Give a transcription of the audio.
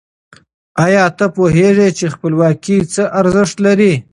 آیا ته پوهېږي چې خپلواکي څه ارزښت لري؟